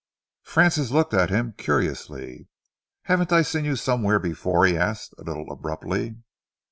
Francis looked at him curiously. "Haven't I seen you somewhere before?" he asked, a little abruptly.